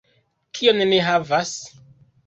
Kion ni havas?